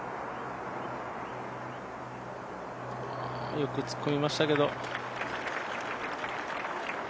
よく突っ込みましたけど。